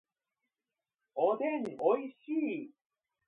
おでんおいしい